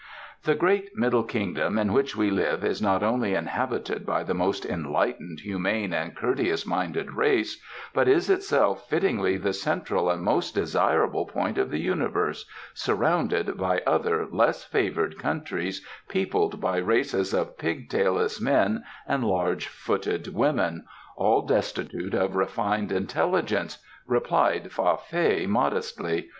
"The Great Middle Kingdom in which we live is not only inhabited by the most enlightened, humane and courteous minded race, but is itself fittingly the central and most desirable point of the Universe, surrounded by other less favoured countries peopled by races of pig tailless men and large footed women, all destitute of refined intelligence," replied Fa Fei modestly.